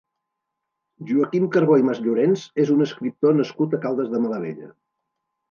Joaquim Carbó i Masllorens és un escriptor nascut a Caldes de Malavella.